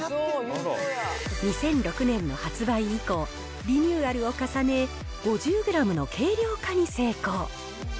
２００６年の発売以降、リニューアルを重ね、５０グラムの軽量化に成功。